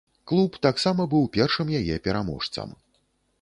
Клуб таксама быў першым яе пераможцам.